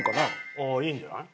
ああいいんじゃない？